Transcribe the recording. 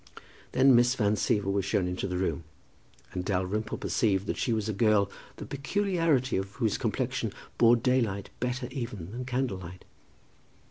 Then Miss Van Siever was shown into the room, and Dalrymple perceived that she was a girl the peculiarity of whose complexion bore daylight better even than candlelight.